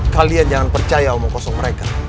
kalian jangan percaya omong kosong mereka